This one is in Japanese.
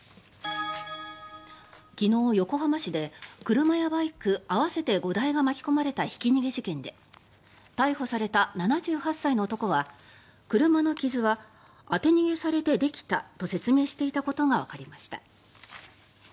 昨日、横浜市で車やバイク合わせて５台が巻き込まれたひき逃げ事件で逮捕された７８歳の男は車の傷は当て逃げされてできたと説明していたことがわかりました。